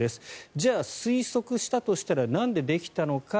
じゃあ、推測したとしたらなんでできたのか。